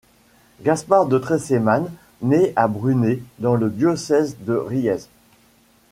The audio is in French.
Gaspard de Tressemanes nait à Brunet dans le diocèse de Riez.